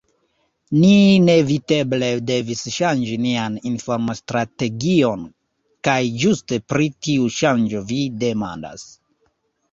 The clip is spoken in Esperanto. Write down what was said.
Ni neeviteble devis ŝanĝi nian informstrategion, kaj ĝuste pri tiu ŝanĝo vi demandas.